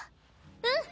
うん！